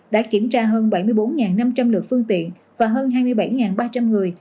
đã kiểm tra hơn bảy mươi bốn năm trăm linh lượt phương tiện và hơn hai mươi bảy ba trăm linh người